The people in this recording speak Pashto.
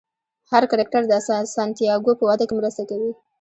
هر کرکټر د سانتیاګو په وده کې مرسته کوي.